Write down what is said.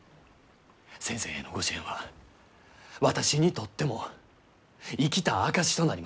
先生へのご支援は私にとっても生きた証しとなります。